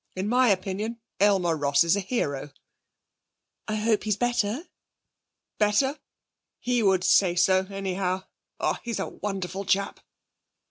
In my opinion Aylmer Ross is a hero.' 'I hope he's better?' 'Better! He would say so, anyhow. Ah, he's a wonderful chap!'